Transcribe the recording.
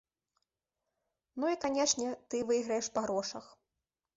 Ну, і, канешне, ты выйграеш па грошах.